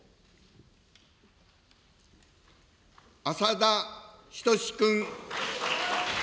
浅田均君。